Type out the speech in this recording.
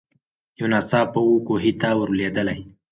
یو ناڅاپه وو کوهي ته ور لوېدلې